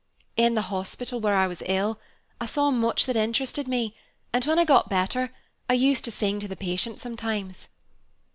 "In the hospital where I was ill, I saw much that interested me, and when I got better, I used to sing to the patients sometimes."